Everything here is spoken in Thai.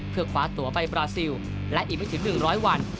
เพื่อคว้าตัวไปบราซิลและอีกไม่ถึง๑๐๐วัน